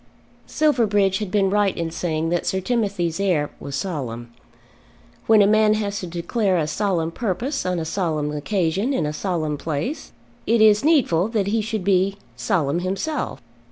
Silverbridge had been right in saying that Sir Timothy's air was solemn. When a man has to declare a solemn purpose on a solemn occasion in a solemn place, it is needful that he should be solemn himself.